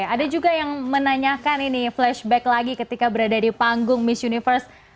ada juga yang menanyakan ini flashback lagi ketika berada di panggung miss universe